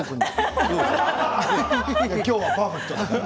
今日はパーフェクトだから。